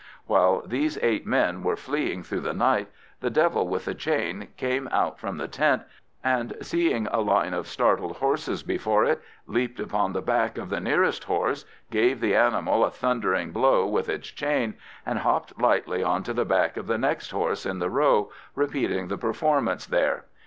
While these eight men were fleeing through the night, the devil with the chain came out from the tent, and, seeing a line of startled horses before it, leaped upon the back of the nearest horse, gave the animal a thundering blow with its chain, and hopped lightly on to the back of the next horse in the row, repeating the performance there.